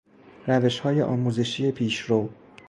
روشهای آموزشی پیشرو